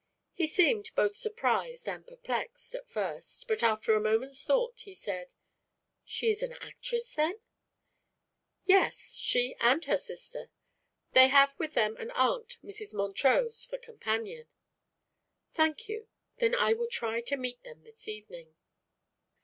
He seemed both surprised and perplexed, at first, but after a moment's thought he said: "She is an actress, then?" "Yes; she and her sister. They have with them an aunt, Mrs. Montrose, for companion." "Thank you. Then I will try to meet them this evening."